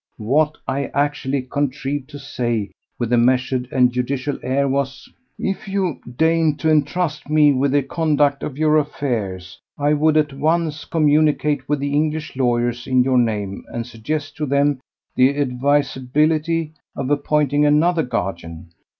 What I actually contrived to say with a measured and judicial air was: "If you deign to entrust me with the conduct of your affairs, I would at once communicate with the English lawyers in your name and suggest to them the advisability of appointing another guardian.